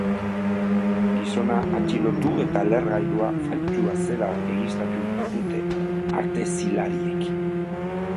Gizona atxilotu eta lehergailua faltsua zela egiaztatu dute artezilariek.